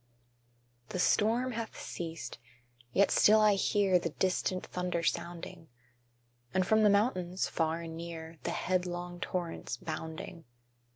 _ The storm hath ceased: yet still I hear The distant thunder sounding, And from the mountains, far and near, The headlong torrents bounding.